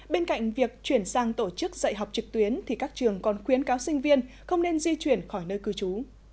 bên cạnh việc chuyển sang tổ chức dạy học trực tuyến thì các trường còn khuyến cáo sinh viên không nên di chuyển khỏi nơi cư trú